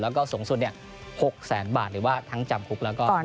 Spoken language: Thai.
แล้วก็สูงสุด๖๐๐๐๐๐บาทหรือว่าทั้งจำคุกแล้วก็โดนตรับด้วย